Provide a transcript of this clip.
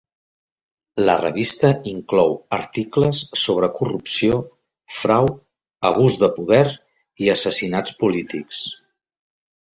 La revista inclou articles sobre corrupció, frau, abús de poder i assassinats polítics.